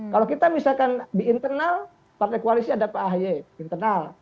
kalau kita misalkan di internal partai koalisi ada pak ahy internal